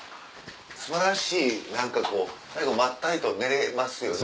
素晴らしい何かこうまったりと寝れますよね。